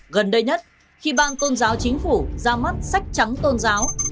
gần đây nhất khi bang tôn giáo chính phủ ra mắt sách trắng tôn giáo